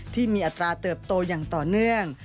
ที่มีอัตราเติบโตอย่างต่อเนื่อง